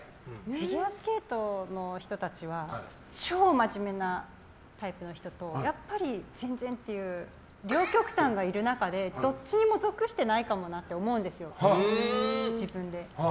フィギュアスケートの人たちは超マジメなタイプの人とやっぱり全然っていう両極端がいる中でどっちにも属してないかもなと思うんですよ、自分で。